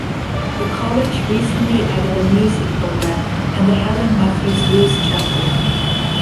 The college recently added a Music program and the Helen Matthews Luce Chapel.